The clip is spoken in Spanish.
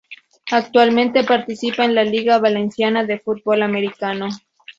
Actualmente participa en la Liga Valenciana de Fútbol Americano.